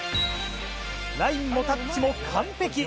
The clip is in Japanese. ラインもタッチも完璧。